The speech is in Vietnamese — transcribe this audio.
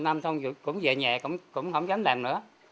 năm thôi cũng về nhà cũng không dám làm nữa